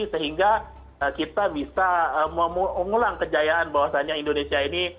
sehingga kita bisa mengulang kejayaan bahwasannya indonesia ini